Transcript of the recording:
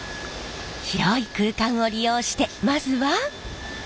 広い空間を利用してまずは。